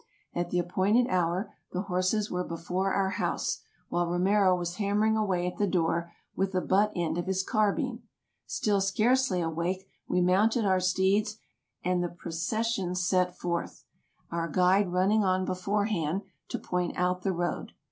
At the appointed hour the horses were before our house, while Romero was hammering away at the door, with the butt end of his carbine. Still scarcely awake, we mounted our steeds, and the procession set forth, our guide running 188 TRAVELERS AND EXPLORERS on beforehand to point out the road.